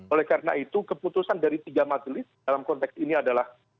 oleh karena itu keputusan dari tiga majelis dalam konteks ini adalah